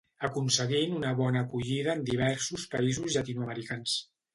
Aconseguint una bona acollida en diversos països llatinoamericans.